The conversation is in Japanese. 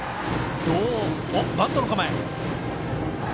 バントの構え。